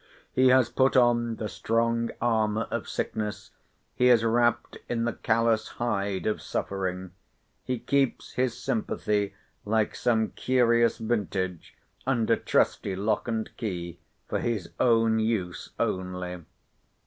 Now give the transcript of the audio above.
He has put on the strong armour of sickness, he is wrapped in the callous hide of suffering; he keeps his sympathy, like some curious vintage, under trusty lock and key, for his own use only.